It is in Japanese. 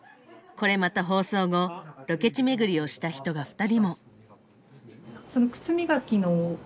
これまた放送後ロケ地巡りをした人が２人も。